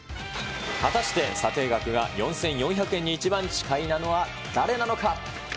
果たして査定額が４４００円に一番近いのは誰なのか。